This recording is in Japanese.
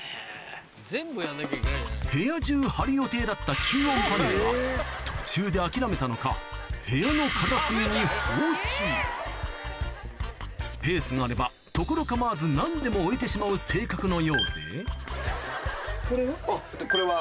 部屋中貼る予定だった吸音パネルは途中で諦めたのか部屋の片隅に放置スペースがあれば所構わず何でも置いてしまう性格のようでこれは？